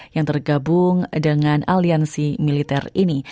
yang tergabung dengan aliansi militer ini